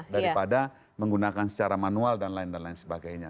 daripada menggunakan secara manual dan lain lain sebagainya